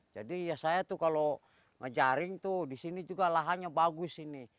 jadi ya saya tuh kalau menjaring tuh di sini juga lahannya bagus ini